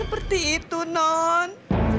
gak seperti itu non